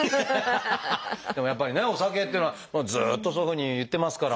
でもやっぱりねお酒っていうのはずっとそういうふうに言ってますから。